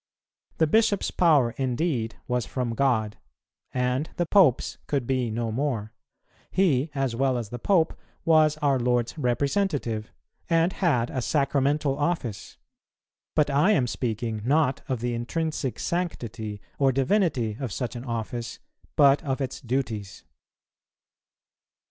The Bishop's power indeed was from God, and the Pope's could be no more; he, as well as the Pope, was our Lord's representative, and had a sacramental office: but I am speaking, not of the intrinsic sanctity or divinity of such an office, but of its duties.